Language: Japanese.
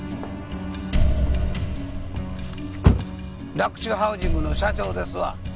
洛中ハウジングの社長ですわ。